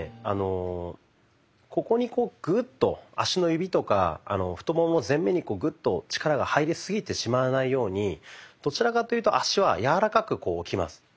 あのここにグッと足の指とか太もも前面にグッと力が入りすぎてしまわないようにどちらかというと足は柔らかく置きます。